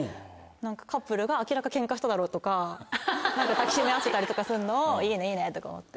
カップルが明らかケンカしただろうとか抱き締め合ってたりとかするのを。とか思って。